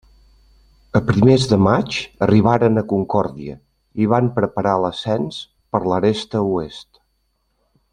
A primers de maig arribaren a Concòrdia i van preparar l'ascens per l'aresta oest.